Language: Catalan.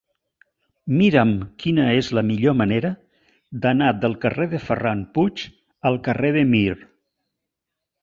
Mira'm quina és la millor manera d'anar del carrer de Ferran Puig al carrer de Mir.